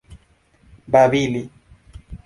babili